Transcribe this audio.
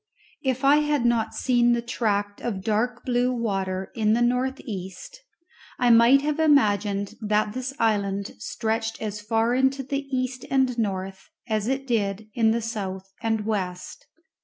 If I had not seen the tract of dark blue water in the north east, I might have imagined that this island stretched as far into the east and north as it did in the south and west.